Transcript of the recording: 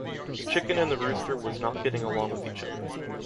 The chicken and the rooster was not get along with each other.